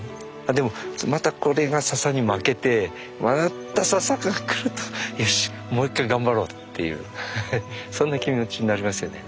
でもまたこれがササに負けてまたササが来るとよしもう一回頑張ろうっていうそんな気持ちになりますよね。